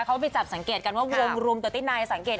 เขาไปจับสังเกตกันว่าวงรุมเตอร์ตินายสังเกต